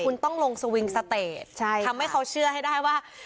คุณต้องลงสวิงสเตจทำให้เขาเชื่อให้ได้ว่า